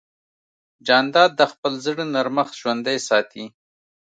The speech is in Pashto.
جانداد د خپل زړه نرمښت ژوندی ساتي.